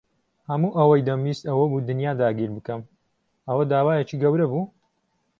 هەموو ئەوەی دەمویست ئەوە بوو دنیا داگیر بکەم. ئەوە داوایەکی گەورە بوو؟